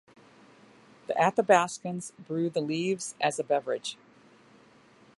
The Athabaskans brew the leaves as a beverage.